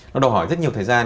nó đòi hỏi rất nhiều thời gian